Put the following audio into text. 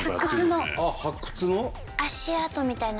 あっ発掘の？